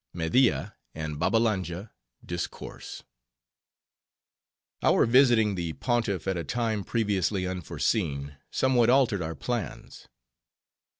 Media And Babbalanja Discourse Our visiting the Pontiff at a time previously unforeseen, somewhat altered our plans.